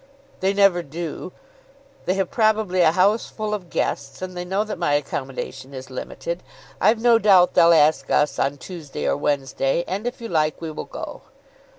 "They never do. They have probably a house full of guests, and they know that my accommodation is limited. I've no doubt they'll ask us on Tuesday or Wednesday, and if you like we will go."